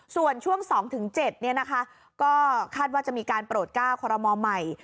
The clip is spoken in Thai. ส่วนช่วง๒๗ก็คาดว่าจะมีการโปรดก้าวคอรมอลใหม่